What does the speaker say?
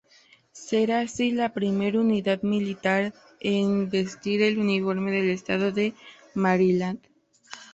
Será así la primera unidad militar en vestir el uniforme del estado de Maryland.